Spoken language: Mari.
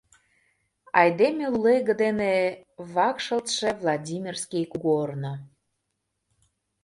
— Айдеме лулеге дене вакшылтше Владимирский кугорно.